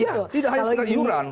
iya tidak hanya semata mata iuran